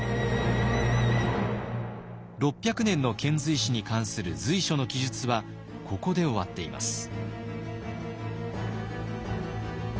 ６００年の遣隋使に関する「隋書」の記述はここで終わっています。